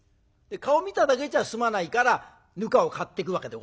顔見ただけじゃ済まないからぬかを買っていくわけでございます。